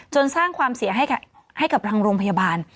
สร้างความเสียให้กับทางโรงพยาบาล